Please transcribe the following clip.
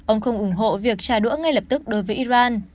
ông không ủng hộ việc trả đũa ngay lập tức đối với iran